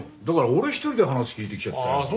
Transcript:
だから俺一人で話聞いてきちゃったよ。